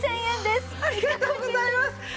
ありがとうございます！